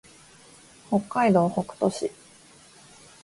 北海道北斗市